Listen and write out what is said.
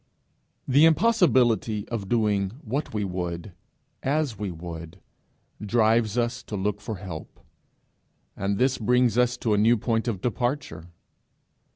The impossibility of doing what we would as we would, drives us to look for help. And this brings us to a new point of departure.